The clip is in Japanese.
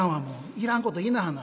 いらんこと言いなはんな。